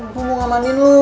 bumbu ngamanin lu